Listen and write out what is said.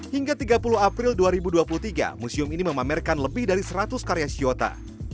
hingga tiga puluh april dua ribu dua puluh tiga museum ini memamerkan lebih dari seratus karya shiota